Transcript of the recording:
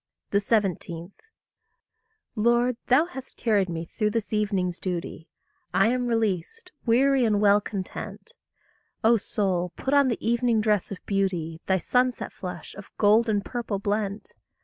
17. Lord, thou hast carried me through this evening's duty; I am released, weary, and well content. O soul, put on the evening dress of beauty, Thy sunset flush, of gold and purple blent!